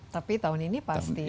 tapi tahun ini pasti